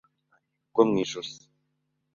rukaranububabare nyabwo mwijosi.